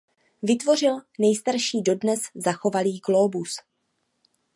Vytvořil nejstarší dodnes zachovalý glóbus.